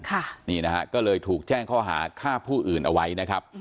ค่ะนี่นะฮะก็เลยถูกแจ้งข้อหาฆ่าผู้อื่นเอาไว้นะครับ